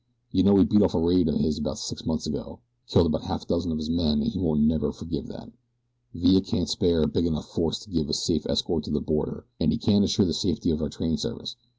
You know we beat off a raid of his about six months ago killed half a dozen of his men, an' he won't never forgive that. Villa can't spare a big enough force to give us safe escort to the border and he can't assure the safety of the train service.